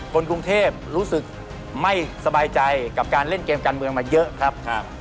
คนกรุงเทพรู้สึกไม่สบายใจกับการเล่นเกมการเมืองมาเยอะครับ